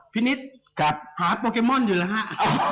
พี่นิดหาโปรเคมอนอยู่หรือหรือฮะ